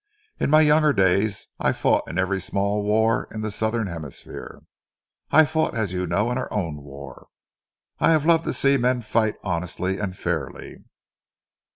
"In my younger days, I fought in every small war in the southern hemisphere. I fought, as you know, in our own war. I have loved to see men fight honestly and fairly."